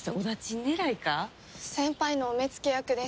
先輩のお目付け役です。